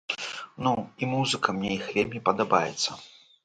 Ну, і музыка мне іх вельмі падабаецца.